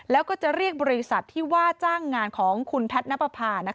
แล้วก็จะเรียกบริษัทที่ว่าจ้างงานของคุณแพทย์นับประพา